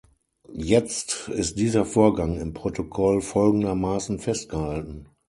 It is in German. Jetzt ist dieser Vorgang im Protokoll folgendermaßen festgehalten.